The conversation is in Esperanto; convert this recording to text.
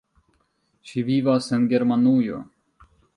Ŝi vivas en Germanujo.